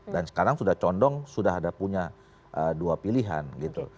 dan sekarang sudah condong sudah ada punya dua pilihan gitu